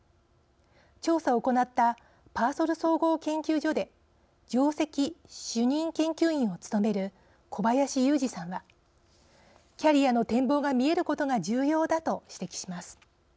調査を行ったパーソル総合研究所で上席主任研究員を務める小林祐児さんはキャリアの展望が見えることが重要だと指摘します。